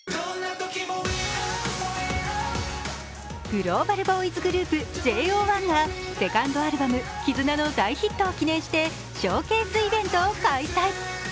グローバルボーイズグループＪＯ１がセカンドアルバム「ＫＩＺＵＮＡ」の大ヒットを記念してショーケースイベントを開催。